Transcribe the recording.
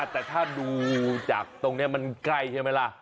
แต่ถ้าดูจากตรงนี้มันใกล้ใช่ไหมล่ะ